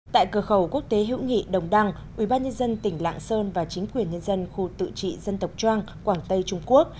tại cửa khẩu quốc tế hữu nghị đồng đăng ubnd tỉnh lạng sơn và chính quyền nhân dân khu tự trị dân tộc trang quảng tây trung quốc